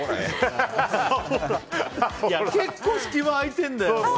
結構、隙間空いてるんだよ。